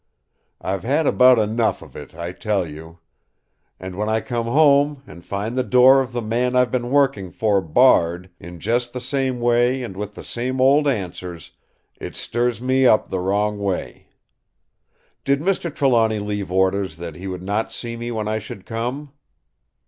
I've had about enough of it, I tell you. And when I come home, and find the door of the man I've been working for barred, in just the same way and with the same old answers, it stirs me up the wrong way. Did Mr. Trelawny leave orders that he would not see me when I should come?"